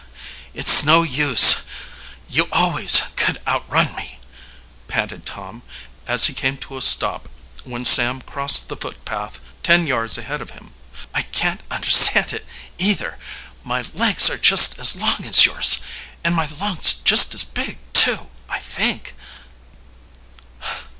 "It's no use you always could outrun me," panted Tom, as he came to a stop when Sam crossed the footpath ten yards ahead of him. "I can't understand it either. My legs are just as long as yours, and my lungs just as big, too, I think."